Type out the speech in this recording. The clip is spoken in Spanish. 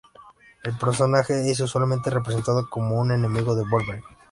El personaje es usualmente representado como un enemigo de Wolverine.